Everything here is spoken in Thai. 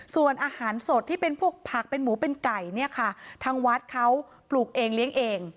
ส่วนอาหารสดที่เป็นพวกผักเป็นหมูเป็นไก่เนี่ยค่ะทางวัดเขาปลูกเองเลี้ยงเอง